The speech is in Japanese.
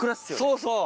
そうそう！